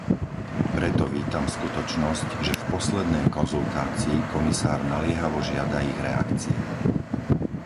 Preto vítam skutočnosť, že v poslednej konzultácii komisár naliehavo žiada ich reakcie.